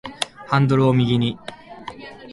ハンドルを右に